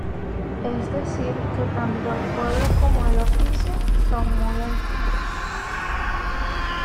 Es decir que tanto el pueblo como el oficio son muy antiguos.